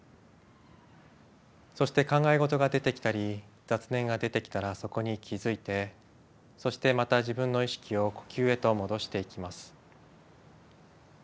そして考え事が出てきたり雑念が出てきたらそこに気づいてそしてまた自分の意識を呼吸へと戻していきます。